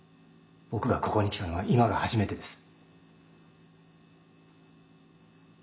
僕がここに来たのは今が初めてです。